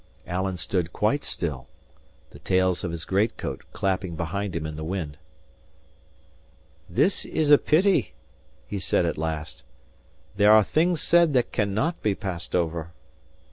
* A second sermon. Alan stood quite still, the tails of his great coat clapping behind him in the wind. "This is a pity," he said at last. "There are things said that cannot be passed over."